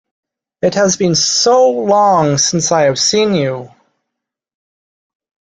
It has been so long since I have seen you!